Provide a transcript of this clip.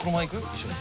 一緒に。